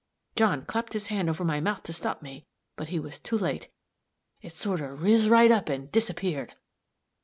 John clapped his hand over my mouth to stop me, but he was too late; it sort of riz right up and disappeared."